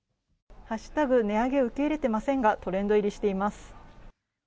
値上げ受け入れてませんがトレンド入りしています。